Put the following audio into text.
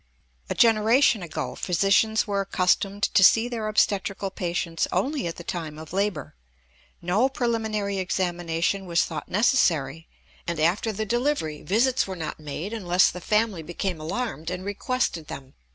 A generation ago physicians were accustomed to see their obstetrical patients only at the time of labor. No preliminary examination was thought necessary, and after the delivery visits were not made unless the family became alarmed and requested them.